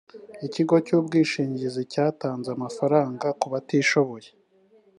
ikigo cy’ ubwishingizi cyatanze amafaranga kubatishoboye